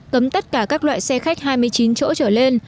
cấm tất cả các loại xe khách hai mươi chín chỗ trở lên